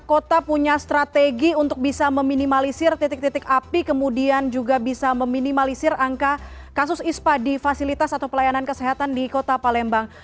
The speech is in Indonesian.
kota punya strategi untuk bisa meminimalisir titik titik api kemudian juga bisa meminimalisir angka kasus ispa di fasilitas atau pelayanan kesehatan di kota palembang